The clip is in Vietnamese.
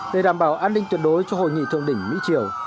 để đảm bảo an ninh tuyệt đối cho hội nghị thượng đỉnh mỹ triều